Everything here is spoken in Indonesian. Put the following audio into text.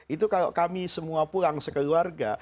itu kalau kami semua pulang sekeluarga